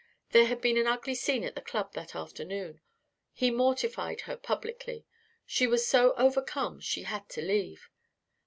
There had been an ugly scene at the club that afternoon. He mortified her publicly. She was so overcome she had to leave.